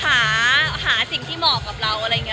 หาสิ่งที่เหมาะกับเราอะไรอย่างนี้